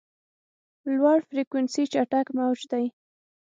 لوړ فریکونسي چټک موج دی.